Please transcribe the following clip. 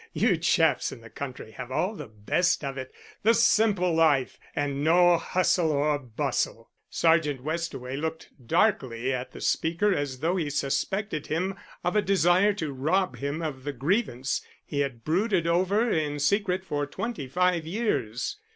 You chaps in the country have all the best of it the simple life, and no hustle or bustle." Sergeant Westaway looked darkly at the speaker as though he suspected him of a desire to rob him of the grievance he had brooded over in secret for twenty five years.